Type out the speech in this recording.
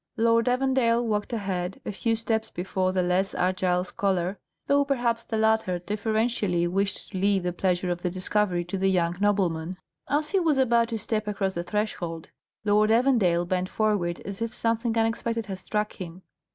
Lord Evandale walked ahead, a few steps before the less agile scholar, though perhaps the latter deferentially wished to leave the pleasure of the discovery to the young nobleman. As he was about to step across the threshold, Lord Evandale bent forward as if something unexpected had struck him.